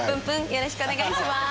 よろしくお願いします。